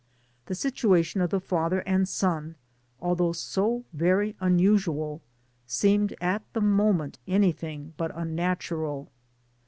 The situation of the father and son, although so very unusual, seemed at the moment anything but un natural.